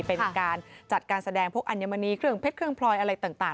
เป็นการจัดการแสดงพวกอัญมณีเครื่องเพชรเครื่องพลอยอะไรต่าง